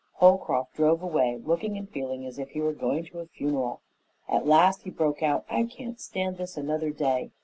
Holcroft drove away, looking and feeling as if he were going to a funeral. At last he broke out, "I can't stand this another day.